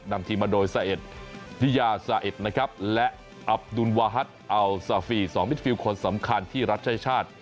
นำทีมมาโดยซาเอ็ดนิยาซาเอ็ดนะครับและอับดุลวาฮัทอัลซาฟี๒มิดฟิลคนสำคัญที่รับใช้ชาติ